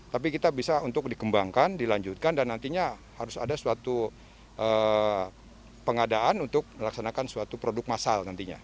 tapi kita bisa untuk dikembangkan dilanjutkan dan nantinya harus ada suatu pengadaan untuk melaksanakan suatu produk masal nantinya